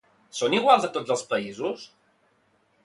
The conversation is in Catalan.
Són iguals a tots els països?